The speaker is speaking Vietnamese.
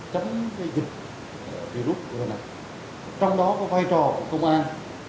tránh cái dịch virus của đà nẵng trong đó có vai trò của công an